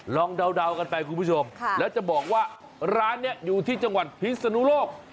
เดากันไปคุณผู้ชมแล้วจะบอกว่าร้านนี้อยู่ที่จังหวัดพิศนุโลก